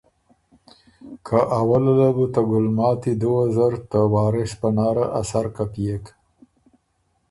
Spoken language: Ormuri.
که اوله له بُو ته ګلماتی دُوه زر ته وارث پناره ا سر کپئېک